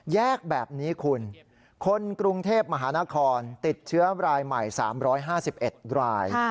แยกแบบนี้คุณคนกรุงเทพมหานครติดเชื้อรายใหม่๓๕๑ราย